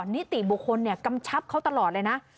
เฉพาะลิธิบุคคลเนี่ยกำชับเขาตลอดเลยนะ